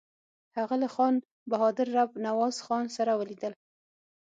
هغه له خان بهادر رب نواز خان سره ولیدل.